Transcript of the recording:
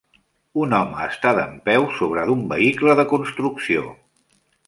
Un home està dempeus sobre d'un vehicle de construcció.